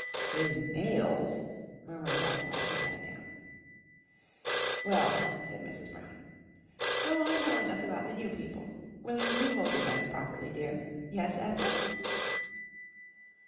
"His nails," murmured Ethel as he sat down. "Well," said Mrs. Brown, "go on telling us about the new people. William, do hold your knife properly, dear. Yes, Ethel?"